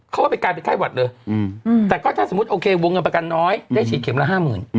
เขาว่าไปกลายเป็นไข้หวัดเลยแต่ก็ถ้าสมมุติโอเควงเงินประกันน้อยได้ฉีดเข็มละ๕๐๐๐